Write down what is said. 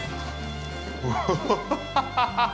アハハハハッ！